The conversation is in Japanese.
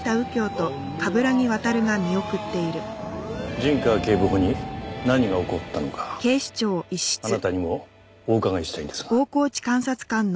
陣川警部補に何が起こったのかあなたにもお伺いしたいんですが。